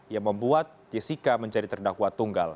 yang membuat jessica menjadi terdakwa tunggal